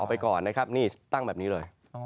ไปก่อนนะครับนี่ตั้งแบบนี้เลย